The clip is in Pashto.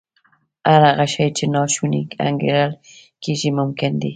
هر هغه شی چې ناشونی انګېرل کېږي ممکن دی